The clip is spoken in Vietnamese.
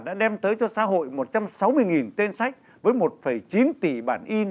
đã đem tới cho xã hội một trăm sáu mươi tên sách với một chín tỷ bản in